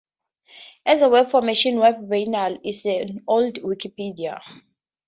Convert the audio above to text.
As a web Formation Web Biennial is as old as Wikipedia.